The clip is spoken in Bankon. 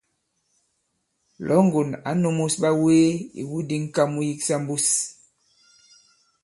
Lɔ̌ŋgòn ǎ nūmus ɓawee ìwu di ŋ̀ka mu yiksa mbus.